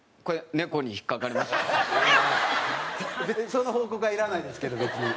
その報告はいらないですけど別に。